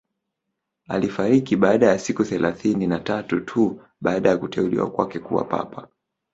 Alifariki baada ya siku thelathini na tatu tu baada ya kuteuliwa kwake kuwa papa